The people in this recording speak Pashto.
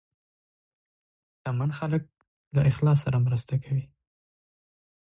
شتمن خلک له اخلاص سره مرسته کوي.